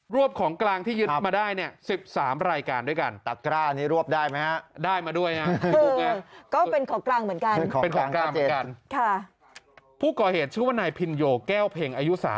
รวบของกลางที่ยึดมาได้๑๓รายการด้วยกัน